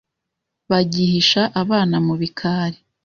bagihisha abana mu bikari